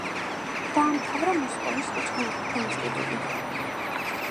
დაამთავრა მოსკოვის უცხო ენათა ინსტიტუტი.